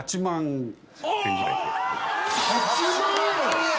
８万円！